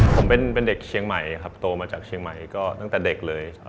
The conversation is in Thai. ผมเป็นเด็กเชียงใหม่ครับโตมาจากเชียงใหม่ก็ตั้งแต่เด็กเลย